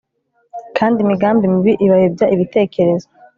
kandi imigambi mibi ibayobya ibitekerezo